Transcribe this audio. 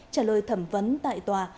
trả lời thẩm vấn tại tòa